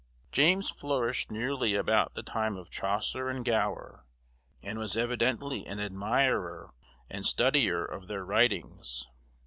James flourished nearly about the time of Chaucer and Gower, and was evidently an admirer and studier of their writings.